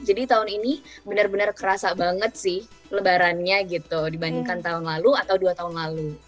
jadi tahun ini benar benar kerasa banget sih lebarannya gitu dibandingkan tahun lalu atau dua tahun lalu